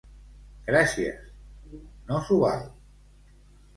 —Gràcies! —No s'ho val.